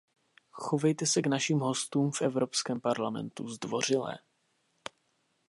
Chovejte se k našim hostům v Evropském parlamentu zdvořile.